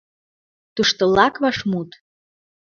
ТУШТЫЛАК ВАШМУТ